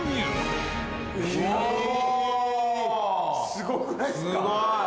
すごくないっすか⁉